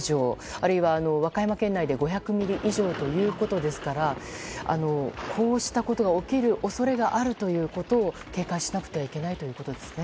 あるいは和歌山県内で５００ミリ以上ということですからこうしたことが起きる恐れがあるということを警戒しなくてはいけないということですね。